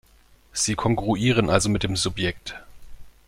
Sie kongruieren also mit dem Subjekt.